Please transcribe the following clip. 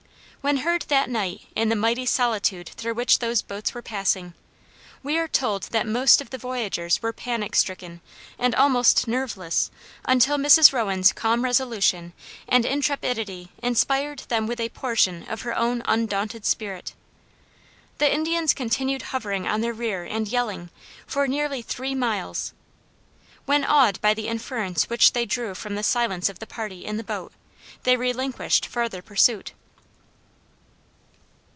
When heard that night in the mighty solitude through which those boats were passing, we are told that most of the voyagers were panic stricken and almost nerveless until Mrs. Rowan's calm resolution and intrepidity inspired them with a portion of her own undaunted spirit. The Indians continued hovering on their rear and yelling, for nearly three miles, when awed by the inference which they drew from the silence of the party in the boat, they relinquished farther pursuit.